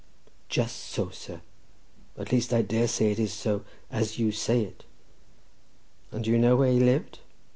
"Just so, sir; at least, I dare say it is so, as you say it." "And do you know where he lived?"